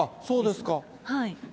そうですか。